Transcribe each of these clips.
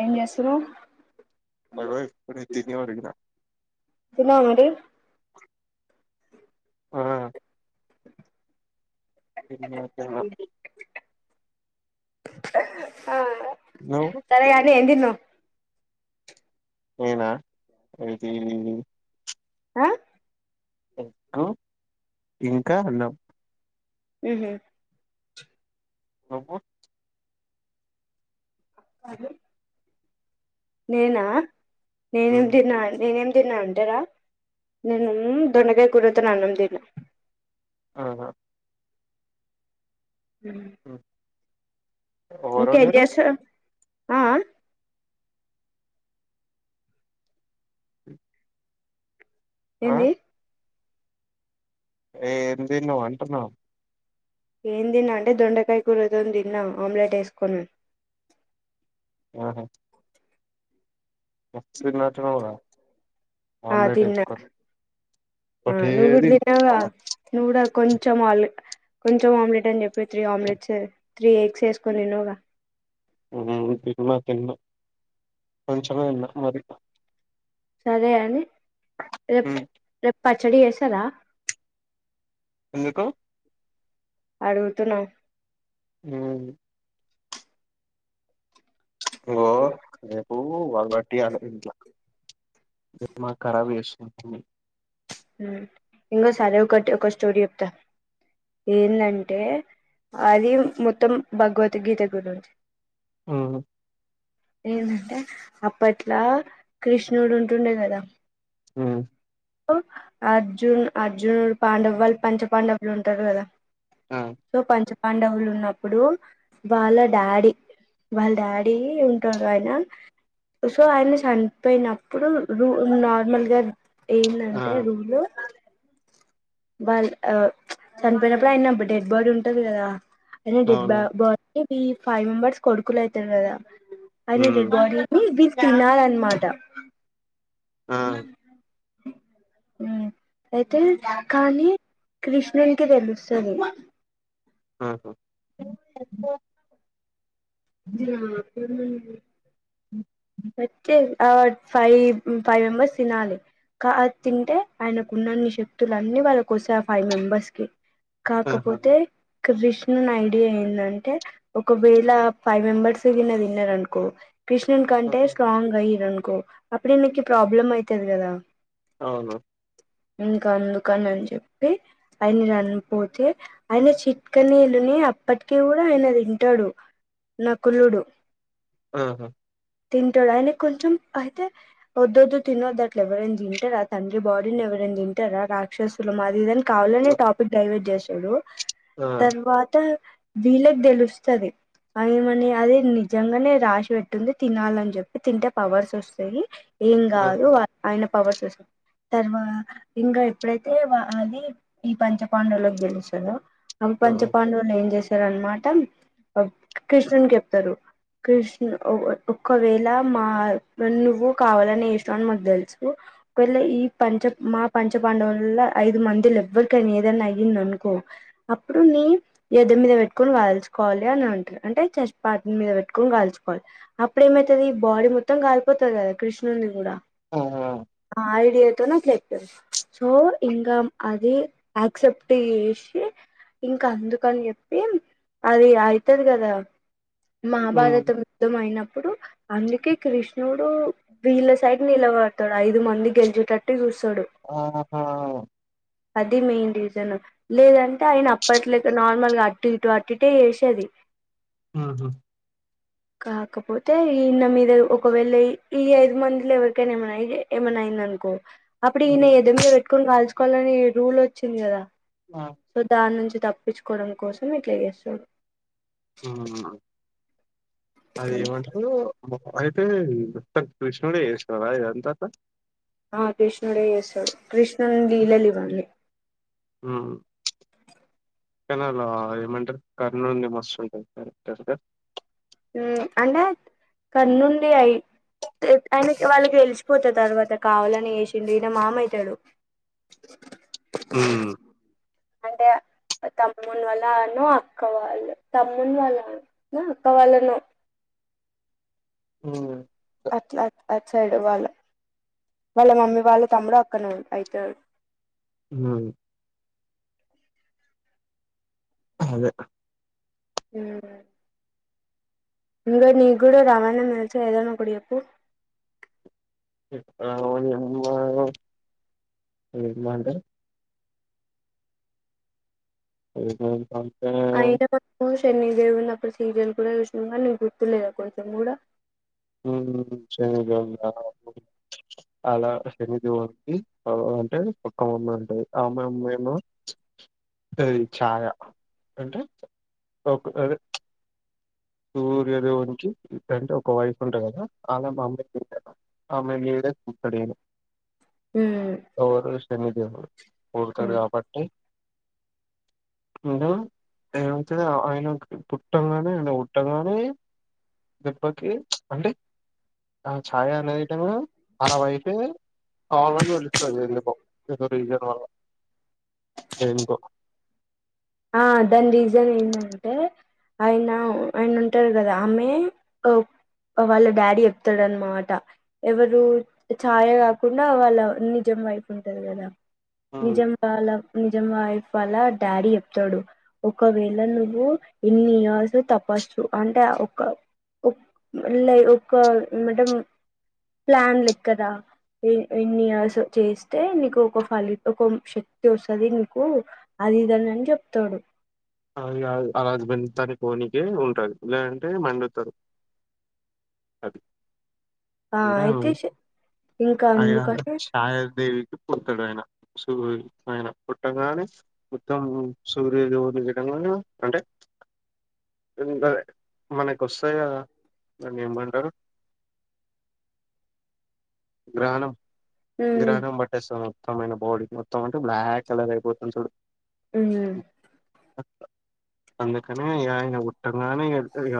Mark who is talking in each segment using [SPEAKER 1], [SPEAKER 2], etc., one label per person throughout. [SPEAKER 1] ఏమ్ జేస్తనోవ
[SPEAKER 2] అగో ఇప్పుడే తిని ఒరిగిన
[SPEAKER 1] తిన్నావా మరి
[SPEAKER 2] ఇ
[SPEAKER 1] ఆ
[SPEAKER 2] నువ్వు
[SPEAKER 1] సరేగా అని ఎంతిన్నావ్
[SPEAKER 2] నేను ఏది
[SPEAKER 1] ఆ
[SPEAKER 2] ఎగ్గు ఇంకా అన్నం
[SPEAKER 1] ఆహ
[SPEAKER 2] నువ్
[SPEAKER 1] అద నేనా నేనేంనేనేమ్
[SPEAKER 2] మ్మ్
[SPEAKER 1] తిన్నాది నా నేనేం తిన్నా అంటేరా నేను దొండగాయ కుడుతాను అన్నం తిన్నా
[SPEAKER 2] ఆహా
[SPEAKER 1] హ్
[SPEAKER 2] ఉమ్. ఎవరో
[SPEAKER 1] ఇంకేం
[SPEAKER 2] మీరు
[SPEAKER 1] చేస్తునావ్ ఏంది
[SPEAKER 2] ఏంది నువ్ అంటున్నావ్
[SPEAKER 1] ఏం తిన్నా అంటే దొండకాయ కూరతోని తిన్నా ఆమ్లెట్ ఏసుకొని
[SPEAKER 2] ఆహా ఎగ్స్ తింటున్నావుగా
[SPEAKER 1] ఆ
[SPEAKER 2] ఆమ్లేట్
[SPEAKER 1] తిన్నా
[SPEAKER 2] ఏసుకొని
[SPEAKER 1] ఆ నువ్వు కూడా
[SPEAKER 2] పటేది
[SPEAKER 1] తిన్నావుగా నువ్వు కూడా కొంచెం ఆల్ కొంచెం ఆమ్లెట్ అని చెప్పి త్రీ ఆమ్లెట్స్ త్రీ ఎగ్స్ వేసుకోని తిన్నవ్ గా
[SPEAKER 2] తిన్నా తిన్నా కొంచమే తిన్న మరి
[SPEAKER 1] సరే గని రేప్
[SPEAKER 2] మ్మ్
[SPEAKER 1] రేప్ పచ్చడి చెస్సారా
[SPEAKER 2] ఎందుకు
[SPEAKER 1] అడుగు తున్నా
[SPEAKER 2] హ్మ్ ఓ ఓ వా వట్టిగన్నది ఇంట్ల మా కరాబ్ చెస్ అ
[SPEAKER 1] ఇంగోసరే ఒకటి ఒక స్టోరీ చెప్తా ఎందంటే అది మొత్తం భగవద్గీత గురించి
[SPEAKER 2] మ్మ్
[SPEAKER 1] ఎందంటే అప్పట్లా కృష్ణుడు ఉంటుండే కదా
[SPEAKER 2] హ్మ్
[SPEAKER 1] అర్జున్ అర్జునుడ్ పాండవ వాళ్ళు పంచ పాండవులు ఉంటారు కదా
[SPEAKER 2] ఆ
[SPEAKER 1] సో పంచ పాండవులు ఉన్నప్పుడు వాళ్ళ డాడీ వాళ్ళ డాడీ ఉంటారు ఆయన సో ఆయన చనిపోయినప్పుడు రూ నార్మల్గా
[SPEAKER 2] ఆ
[SPEAKER 1] ఏందంటే రూలు వాళ్ళు ఆ చనిపోయినప్పుడు ఆయన డెడ్ బాడీ ఉంటది కదా అయిన డెడ్ బా
[SPEAKER 2] అవును
[SPEAKER 1] బ ఇది ఫైవ్ మెంబర్స్ కొడుకులు అయితరు కదా అయిన డెడ్ బాడీని వీళ్
[SPEAKER 2] ఆ
[SPEAKER 1] తినాలనమాట ఉ ఉ అయితే కానీ కృష్ణునికి తెలుస్తుంది
[SPEAKER 2] ఆా
[SPEAKER 1] జ
[SPEAKER 2] హ
[SPEAKER 1] మే ఆ ఫైవ్ ఫైవ్ మెంబెర్స్ తినాలి కా తింటే ఆయనకు ఉన్నన్ని శక్తులు అన్నిీ వాళ్ళకి వస్తాయి ఆ ఫైవ్ మెంబెర్స్ కి
[SPEAKER 2] ఆహా
[SPEAKER 1] కాకపోతే కృష్ణున్ ఐడియా ఏందంటే ఒకవేళ ఫైవ్ మెంబర్స్ విన్న తిన్నారు అనుకో కృష్ణ ట స్ట్లాంగ్ రై అనుకో అప్పుడే నాకి ప్రాబ్లం అవుతది కదా
[SPEAKER 2] అవును
[SPEAKER 1] ఇంకా అందుకని అని చెప్పి ఆయన చనిపోతే ఆయన చిట్టుకనా వెలిని అప్పటిక కూడా ఆయన తింటాడు న కులుడు
[SPEAKER 2] ఆహా
[SPEAKER 1] తింటాడు ఆయన కొంచెం అయితే వద్దుొద్దు తినొద్ద అట్లు ఎవరైనా తింటారా తండ్రి బాడీని ఎవరైనా తింటారా రాక్షసులు మాదినికి కావాలని టాపిక్డైవేట్ చేస్తారు చ
[SPEAKER 2] ఆ
[SPEAKER 1] తర్వాతా వీళ్ళకి తెలుస్తుంది అమని అది నిజంగానే రాసి పెట్టుంది తినాల అని చెప్పి తింటే పవర్స్ వస్తాయి ఏం
[SPEAKER 2] ఆ
[SPEAKER 1] కాదు ఆయన పవర్స్ వస తర్వా ఇంకా ఎప్పుడైతే అది ఈ పంచ పాండవు లోకి గెలుచందో అ పంచ పాండవులు ఏం చేస్తారు అనమాట కృష్ణుడు చెప్తారు కృష్ణ ఒకవేళ మా నువ్వు కావాలనే ఇష్టం అని మాకు తెలుసు ఒకవేళ ఈ పంచ మా పంచ పాండవులో ఐదు మందిలు ఎవ్వరికైనా ఏదనా అయ్యింది అనుకో అప్పుడు నీ ఎద్ద మీద పెట్టుకొని వాల్చుకోవాలి అని అంటారు అంటే చస్పాటి మీద పెట్టుకొని కాల్చుకోవాలి అప్పుడేమైతుది ఈ బాడీ మొత్తం కలిపోతుంది కదా కృష్ణుని కూడా
[SPEAKER 2] ఆ
[SPEAKER 1] ఐడియాతోో నాట్లప్ సో ఇంకా అది యాక్సెప్ట్ చేసి ఇంకా అందుకని చెప్పి అది అవుతుది కదా
[SPEAKER 2] ఉమ్.
[SPEAKER 1] మహాభారత ద్ధ అయిైనడు ఇప్పుడు అందుకే కృష్ణుడు వీళ్ళ సైడ్ నిలబడతాడు ఐదు మంది గెలిచేటట్టు చూస్త
[SPEAKER 2] ఆహా
[SPEAKER 1] అది మెయిన్ రీజన్ లేదంటే ఆయన అప్పట్లోక నార్మల్గా అటు ఇటు అటుటే వసేది
[SPEAKER 2] ఆహా
[SPEAKER 1] కాకపోతే అయితే ఈ ఇన్న మీద ఒకవేళ ఈ ఐదు మందిలో ఎవరికైనా ఏమై ఏమనా అయింద అనుకో
[SPEAKER 2] ఉమ్.
[SPEAKER 1] అప్పుడన్న ఎదుమే ఇప్పుని కాల్చుకోవాలని రూల్ వచ్చింది కదా సో దాని నుంచి తప్పించుకోవడం కోసం ఇట్లా చేస్తాడు
[SPEAKER 2] ఆహా అది ఏమంటారు అయితే మొత్తం కృష్ణుడే చేసింనాడా ఇదంతా
[SPEAKER 1] ఆ కృష్ణుడే చేస్తాడు కృష్ణ లీలలు ఇవన్నీ
[SPEAKER 2] హమ్ కనాలో ఏమంటారు కర్నుండి నీ మస్తుం టాంది కరెక్ట
[SPEAKER 1] అంటే కన్నుండి అయి ఆయన వాళ్ళకి తే లిచిపోతా తర్వాత కావాలని వసిండు ఈయన మామ అవుతాడు
[SPEAKER 2] హమ్
[SPEAKER 1] అంటే తమ్ముని వాల్ల అను అక్క వాళ్ళు తమ్ముని వాళ్ళ అక్క వాళ్ళను
[SPEAKER 2] ఉమ్.
[SPEAKER 1] అట్లా అ సైడు వాళ్ళ వాళ్ళ మమ్మీ వాళ్ళ తమ్ముడు అక్క అయితడు
[SPEAKER 2] ఉమ్. అదే
[SPEAKER 1] హమ్ ఇంకా నీకు కూడా రామాయణం నుంచి ఏదనా ఒకటి చెప్పు
[SPEAKER 2] రావణుని అమ్మా మంట అ మంట
[SPEAKER 1] చెన్నీ దేవి ఉన్నప్పుడు సీరియల్ కూడా చూసినామం కానీ నీకు గుర్తులేద కొంచెం కూడా
[SPEAKER 2] శని దే అలా శనిదేవానికి అంటే పక్క అమ్మ ఉంటాంది ఆ అమ్మా అమ్మేము అది చాయా ఏంటి ఓకే సూర్యదేవునికింటే ఒక వైఫ్ ఉంటే కదా ఆమె అమ్మయిడు అమ్మాయి పూడేతాడున ఎవరు శని దేవుడు పడుతాడు
[SPEAKER 1] ఉమ్
[SPEAKER 2] కాబట్టి అయ్యొ ఏంటిది పూట్టిగా అయన పుట్టంగానే పుట్టి అని దెబ్బకి అంటే ఆ చాయ అనేది అనెడి అ వైఫే కావాల వెల్లి అదే ఎందుకో రీసన్ వల్ల దేనికో
[SPEAKER 1] ఆ దాని రీజన్ ఏంటంటే ఆయన ఆయన ఉంటారు కదా ఆమె వాళ్ళ డాడీ చెప్తాడు అన్నమాట ఎవరు ఛాయ కాకుండా వాళ్ళ నిజం వైపు ఉంటంది కదా
[SPEAKER 2] హ్మ్.
[SPEAKER 1] నిజం వాళ్ళ నిజాం వైఫ్ వల్ల డాడీ చెప్తాడు ఒకవేళ నువ్వు ఎన్ని ఇయర్స్ తపస్సు అంటే ఒక ఒక ఏంట ప్లాన్ లెక్కద ఎన్ని ఇయర్స్ చేస్తే నీకు ఒక ఫలిత ఒక శక్తి వస్తుంది నీకు అది ఇదాని అని చెప్ చెప్తాడు
[SPEAKER 2] అది కాదు అలాజ్ బెంతని పోనికే ఉంటుంది లేదంటే మండుతారు అది
[SPEAKER 1] ఆ
[SPEAKER 2] అంటే
[SPEAKER 1] అయితే ఇంకా అందుకే
[SPEAKER 2] తాడు ఆయన సూ ఆయన కోటగానే ఉత్తమ సూర్యోదేవులు ఎవరు అంటే మనకు వస్తాయా గదా దాన్ని ఏమ్మంటారు గ్రహణం
[SPEAKER 1] ఉమ్
[SPEAKER 2] గ్రహణం బట్టేస్తా మొత్తమైన బాడీ మొత్తం బ్లాక్ కలర్ అయిపోతమ్ చుడు
[SPEAKER 1] ఉమ్
[SPEAKER 2] అందుకని ఇ ఆయన కుట్టగానే ఇ ఇక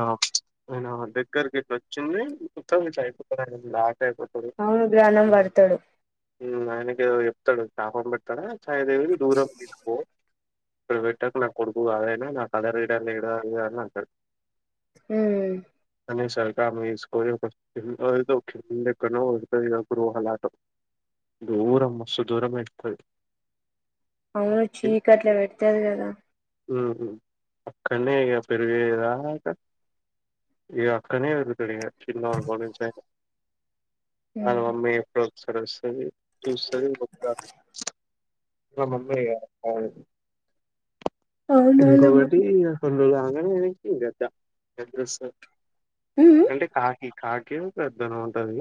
[SPEAKER 2] ఆయన దగ్గర గట్ వచ్చింది కుత్త చాయి కు బ్లాక్
[SPEAKER 1] అవును గ్రహణం బర్తడు
[SPEAKER 2] ఆయనకి ఏవో చెప్తడు శాపం పెట్టాడు దేవుని దూరం తీసుకు ప్రైవేట్ నాకు కొడుకు కావదైనా నా కదర్ రడర్ లేడ అని అంటడు
[SPEAKER 1] ఊ
[SPEAKER 2] సక మకో గ హలా.. [unintelligible] ఉంది ఎక్కడున్నావ్ ఉంటది వాళ్ళ ఆటో దూరం మస్తు దూరం అయితది
[SPEAKER 1] అవును చీకట్లా పెడతది గదా
[SPEAKER 2] ఉ అక్కనే ఇగ పెరివేదాక ఇగ అక్కనే పెరుగుతడు ఇగ చిల్ బ స [unintelligible] అలో
[SPEAKER 1] ఉమ్
[SPEAKER 2] అమ్మ ఎప్పుడు సరస్ సే మి చూస్తుంది మా మమ్మి యే గ
[SPEAKER 1] అవునాలమ్మ
[SPEAKER 2] ఇంకోకటి కొన్ని రోజులుగా అ ఎనికిదాడ [unintelligible]
[SPEAKER 1] ఉమ్
[SPEAKER 2] అంటే కాకి కాకే గద్దనో ఉంటదిగ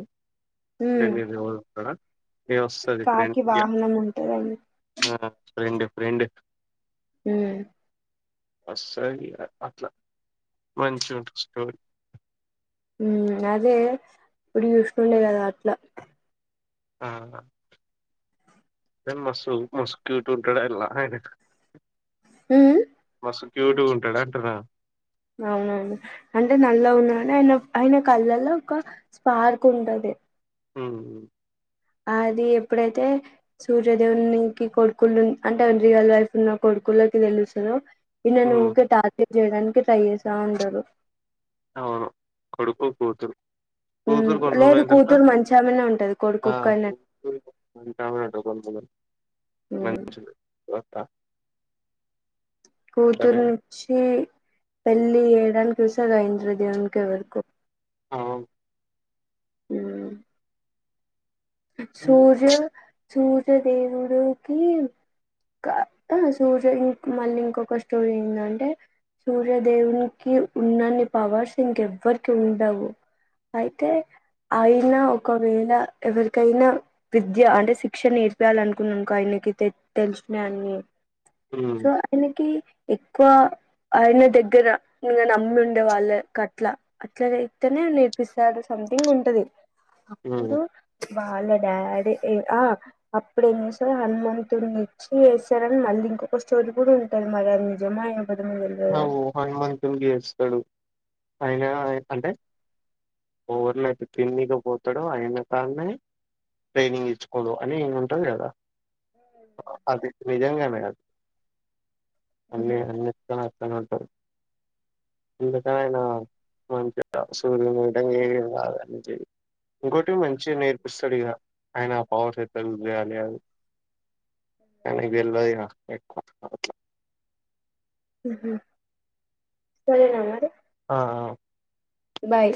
[SPEAKER 1] ఉమ్
[SPEAKER 2] తెలియదు ఎవరోస్తరో
[SPEAKER 1] కాకి వాహనం ఉంటదండి
[SPEAKER 2] ఫ్రెండ్ ఫ్రెండ్
[SPEAKER 1] ఊ
[SPEAKER 2] వస్తది ఇక అట్లా మంచి ఉంటది స్టోరీ
[SPEAKER 1] ఉ అదే ఇప్పుడు చూస్తుండే కదా అట్లా
[SPEAKER 2] ఆ మ మసుక్్యూట్ూంటడ ఎలా అయి ఉంటాడు అంటున్నా
[SPEAKER 1] అవునవును అంటే నల ఉన్నాడి ఆయన ఆయన కళ్ళలో ఒక స్పార్క్ ఉంటది
[SPEAKER 2] హ
[SPEAKER 1] అది ఎప్పుడైతే సూర్యదేవునికి కొడుకులు అంటే రియల్ వైఫ్ ఉన్న కొడుకుల్లోకి తెలుస్తుందో ఇ
[SPEAKER 2] ఉమ్,
[SPEAKER 1] ననుఊకే తాతి చేయడానికి ట్రైసా అందరూ
[SPEAKER 2] అవును కొడుకో పోతు
[SPEAKER 1] లేదు కూతురు మంచిామనే ఉంటది కొడుకుక్కనే
[SPEAKER 2] మడి మంచి బ
[SPEAKER 1] కూతురు నుచ్చి పెళ్లి ఏ రాలు కూసాగాయంద్రదివకవరకు
[SPEAKER 2] ఆ
[SPEAKER 1] అ అ
[SPEAKER 2] ఊ
[SPEAKER 1] సూర్య సూర్యదేవుడుకి సూర్యం మళ్ళీ ఇంకొక స్టోరీ ఏంటంటే సూర్యదేవునికి ఉన్నన్ని పవర్స్ ఇంకెవ్వరికి ఉండవు అయితే అయినా ఒకవేళ ఎవరి ఎకైనా విద్య అంటే శిక్ష నేర్పయాలి అనుకున్నానుకో ఆయనకి తె తెలిసినయన్ని సో
[SPEAKER 2] ఊ
[SPEAKER 1] అనకి ఎక్కువ ఆయన దగ్గర నమ్మి ఉండే వాళ్ళకి అట్లా అట్ల అైతేనే నేర్పిస్తారు సొమెథింగ్ ఉంటది
[SPEAKER 2] ఆ
[SPEAKER 1] అప్పుడు వాళ్ళ డాడీ ఆ అప్పుడుేం చేసారు హనుమంతుడిని ఇచ్చి వసారని మళ్ళీ ఇంకొక స్టోర కూడా ఉంటారు మరి నిజమా
[SPEAKER 2] అ హనుమతులుగిస్తడు అయిన అంటే ఓరినైతే పిన్నిగా పోతాడుో అయిన కానే ట్రైనింగ్ ఇచ్చకదు అని ఎ జదా అది నిజంగానే అది అన్ని అన్ని తట అందుకని ఆయన మంచిగా సూర్యయట ఏ ఇంకోొటి మంచిగా నేర్పిస్తాడు ఇక ఆయన ఆ పవర్స్తలు చేయాలి అది కానీ వెల్దు ఇ ఎక్కువ అ
[SPEAKER 1] హ సరనా మరి
[SPEAKER 2] ఆ
[SPEAKER 1] బాయ్